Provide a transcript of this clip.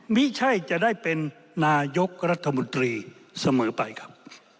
ไม่ใช่จะได้เป็นนายกรัฐมนตรีเสมอไปครับ